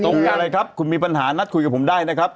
อะไรครับคุณมีปัญหานัดคุยกับผมได้นะครับ